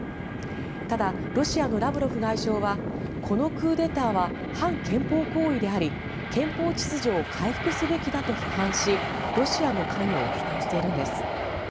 ただ、ロシアのラブロフ外相はこのクーデターは反憲法行為であり憲法秩序を回復すべきだと批判しロシアの関与を否定しているんです。